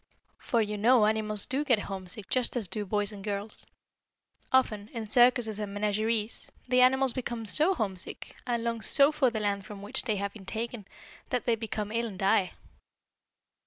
For you know animals do get homesick just as do boys and girls. Often, in circuses and menageries, the animals become so homesick, and long so for the land from which they have been taken, that they become ill and die.